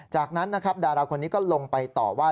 จากนั้นนะครับดาราคนนี้ก็ลงไปต่อว่า